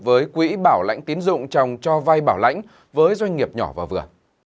với quỹ bảo lãnh tiến dụng trong cho vay bảo lãnh với doanh nghiệp nhỏ và vừa